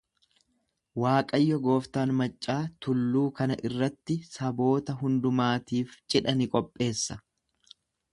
Waaqayyo gooftaan maccaa tulluu kana irratti saboota hundumaatiif cidha ni qopheessa.